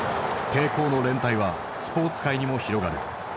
抵抗の連帯はスポーツ界にも広がる。